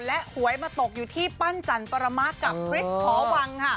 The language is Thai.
หวยมาตกอยู่ที่ปั้นจันปรมะกับคริสหอวังค่ะ